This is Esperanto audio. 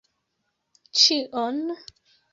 Ĉion?